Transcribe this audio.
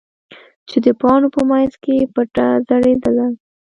چې د پاڼو په منځ کې پټه ځړېدله.